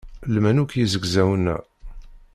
Lman akk yizegzawen-a.